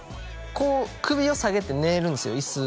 こう首を下げて寝るんですよ椅子